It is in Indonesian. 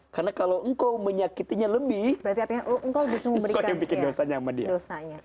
karena kalau engkau menyakitinya lebih engkau yang bikin dosanya sama dia